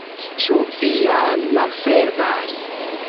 Ĉu vi jam malfermas?